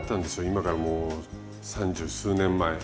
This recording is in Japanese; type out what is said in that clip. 今からもう三十数年前。